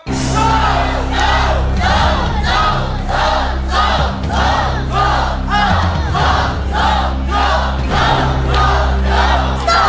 สู้สู้สู้สู้สู้สู้สู้